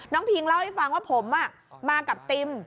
พิงเล่าให้ฟังว่าผมมากับติม